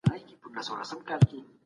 پاملرنه مهمه ده.